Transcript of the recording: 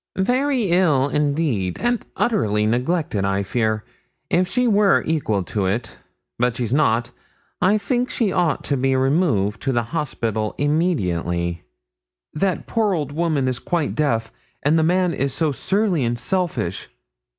'Very ill, indeed, and utterly neglected, I fear. If she were equal to it but she's not I think she ought to be removed to the hospital immediately.' 'That poor old woman is quite deaf, and the man is so surly and selfish!